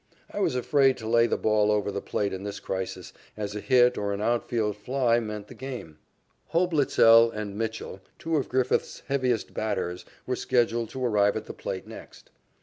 I was afraid to lay the ball over the plate in this crisis, as a hit or an outfield fly meant the game. Hoblitzell and Mitchell, two of Griffith's heaviest batters, were scheduled to arrive at the plate next.